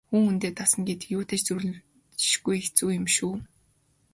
Хүн хүндээ дасна гэдэг юутай ч зүйрлэмгүй хэцүү юм шүү.